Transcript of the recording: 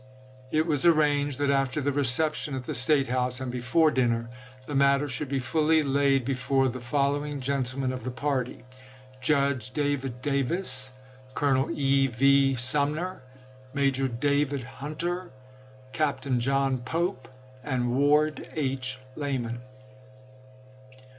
It was arranged that after the reception at the State house, and before dinner, the matter should be fully laid before the following gentlemen of the party : Judge David Davis, Colonel E. V. Sumner, Major David Hunter, Captain John Pope, and Ward H. Lamon."